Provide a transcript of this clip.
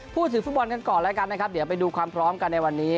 พูดถึงฟุตบอลกันก่อนแล้วกันเดี๋ยวเราไปดูความพร้อมในวันนี้